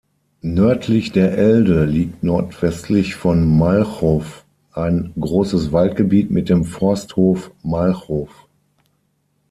Nördlich der Elde liegt nordwestlich von Malchow ein großes Waldgebiet mit dem Forsthof Malchow.